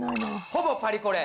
ほぼパリコレ。